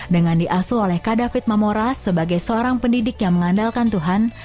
dengan diasuh oleh kadafit mamora sebagai seorang pendidik yang mengandalkan tuhan